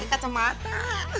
yuk yuk segala